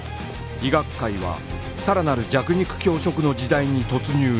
医学界はさらなる弱肉強食の時代に突入した